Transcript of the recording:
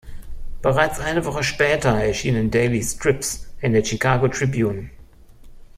Bereits eine Woche später erschienen Daily strips in der "Chicago Tribune".